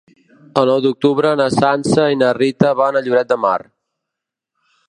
El nou d'octubre na Sança i na Rita van a Lloret de Mar.